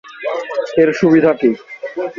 এর সুবিধা কী?